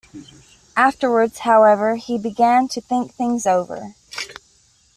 Afterwards, however, he began to think things over.